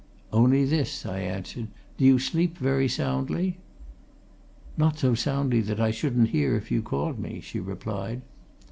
"Only this," I answered. "Do you sleep very soundly?" "Not so soundly that I shouldn't hear if you called me," she replied.